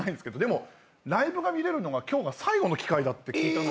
でもライブが見れるのが今日が最後の機会だって聞いたので。